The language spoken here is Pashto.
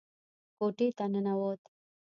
کوټې ته ننوت.